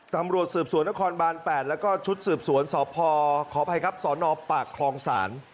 ตำรวจสืบสวนนครบาน๘แล้วก็ชุดสืบสวนสพขออภัยครับสนปากคลองศาล